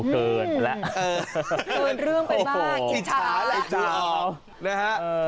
เกินเรื่องไปมากอิจฉา